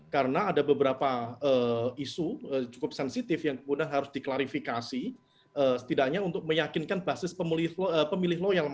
karena ada beberapa isu cukup sensitif yang kemudian harus diklarifikasi setidaknya untuk meyakinkan basis pemilih loyal